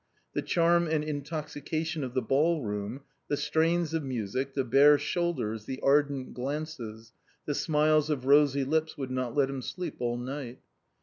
The charm and intoxication of the ball room, the strains of music, the bare shoulders, the ardent glances, the smiles of rosy lips would not let him sleep all night.